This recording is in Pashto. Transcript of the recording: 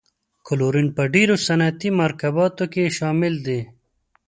کلورین په ډیرو صنعتي مرکباتو کې شامل دی.